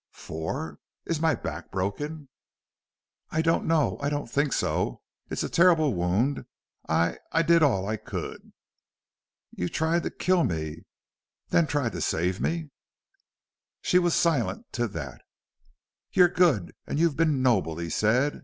"Four! Is my back broken?" "I don't know. I don't think so. It's a terrible wound. I I did all I could." "You tried to kill me then tried to save me?" She was silent to that. "You're good and you've been noble," he said.